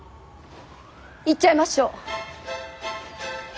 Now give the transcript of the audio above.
言っちゃいましょう。